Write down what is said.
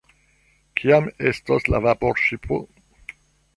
Kiam estos la vaporŝipo?